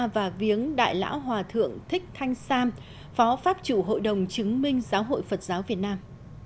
và viếng đại lão hòa thượng thích thanh sam phó pháp chủ hội đồng chứng minh giáo hội phật giáo việt nam